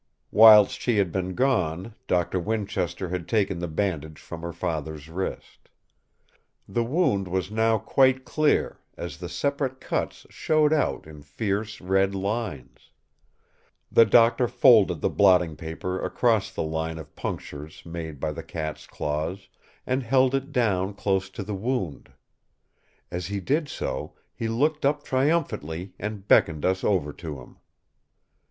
Whilst she had been gone, Doctor Winchester had taken the bandage from her father's wrist. The wound was now quite clear, as the separate cuts showed out in fierce red lines. The Doctor folded the blotting paper across the line of punctures made by the cat's claws, and held it down close to the wound. As he did so, he looked up triumphantly and beckoned us over to him.